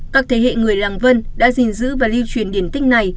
các thế hệ người làng vân đã gìn giữ và lưu truyền điển tích này